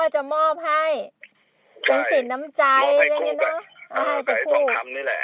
จะมอบให้ใช่เป็นศิลป์น้ำใจมอบให้คู่กันอ่าให้คู่กับไอ้ทองคำนี่แหละ